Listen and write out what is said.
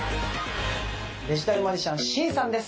デジタルマジシャンシンさんです。